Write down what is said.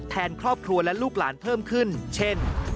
ครอบครัวและลูกหลานเพิ่มขึ้นเช่น